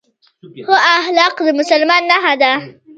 ښه اخلاق د مسلمان نښه ده